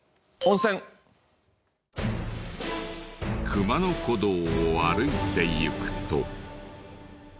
熊野古道を歩いてゆくと。